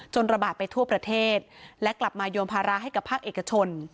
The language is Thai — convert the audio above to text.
ระบาดไปทั่วประเทศและกลับมาโยนภาระให้กับภาคเอกชน